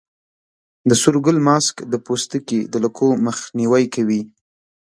د سور ګل ماسک د پوستکي د لکو مخنیوی کوي.